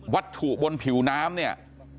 วัตถุบนผิวน้ำเนี่ย